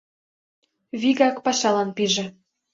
Вигак пашалан пиже.